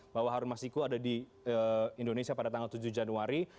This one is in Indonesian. bahwa harun masiku ada di indonesia pada tanggal tujuh januari